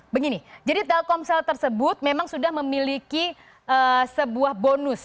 begini jadi telkomsel tersebut memang sudah memiliki sebuah bonus